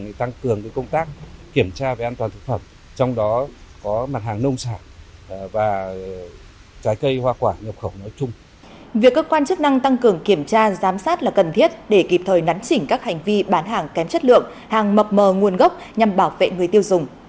việc cơ quan chức năng tăng cường kiểm tra giám sát là cần thiết để kịp thời nắn chỉnh các hành vi bán hàng kém chất lượng hàng mập mờ nguồn gốc nhằm bảo vệ người tiêu dùng